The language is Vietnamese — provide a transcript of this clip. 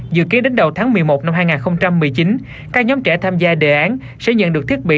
dự kiến đến đầu tháng một mươi một năm hai nghìn một mươi chín các nhóm trẻ tham gia đề án sẽ nhận được thiết bị